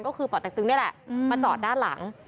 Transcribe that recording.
ก็คือป่อเต็กตึงนี่แหละมาจอดด้านหลัง